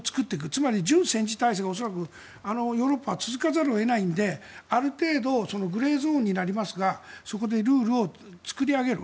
つまり、準戦時体制恐らくヨーロッパは続かざるを得ないのである程度グレーゾーンになりますがそこでルールを作り上げる。